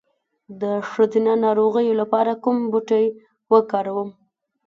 د ښځینه ناروغیو لپاره کوم بوټی وکاروم؟